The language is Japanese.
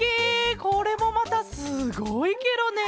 これもまたすごいケロね！